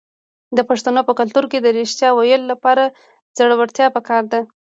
د پښتنو په کلتور کې د ریښتیا ویلو لپاره زړورتیا پکار ده.